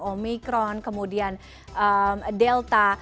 omikron kemudian delta